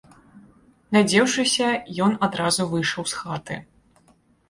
Надзеўшыся, ён адразу выйшаў з хаты.